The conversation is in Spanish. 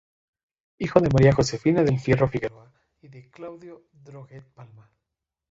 Hijo de María Josefina del Fierro Figueroa y de Claudio Droguett Palma.